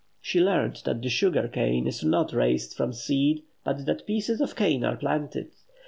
She learned that the sugar cane is not raised from seed, but that pieces of cane are planted.